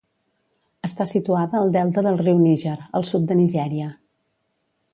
Està situada al delta del riu Níger, al sud de Nigèria.